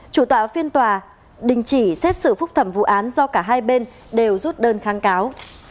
chủ tọa phiên tòa đình chỉ xét xử phúc thẩm vụ án do cả hai bên đều rút đơn kháng cáo